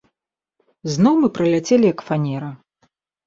Зноў мы праляцелі, як фанера.